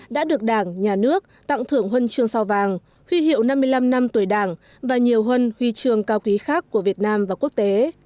đã được đảng nhà nước tặng thưởng huân trường sao vàng huy hiệu năm mươi năm năm tuổi đảng và nhiều huân huy trường cao quý khác của việt nam và quốc tế